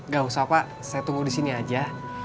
gak usah pak saya tunggu di sini aja